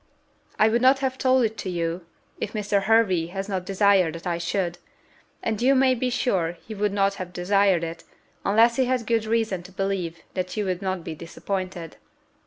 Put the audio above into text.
"I would not have told it to you, if Mr. Hervey had not desired that I should; and you maybe sure he would not have desired it, unless he had good reason to believe that you would not be disappointed."